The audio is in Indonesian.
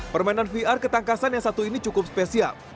permainan vr ketangkasan yang satu ini cukup spesial